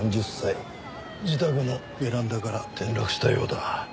自宅のベランダから転落したようだ。